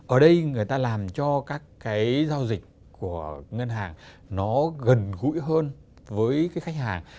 ở đây người ta làm cho các cái giao dịch của ngân hàng nó gần gũi hơn với cái khách hàng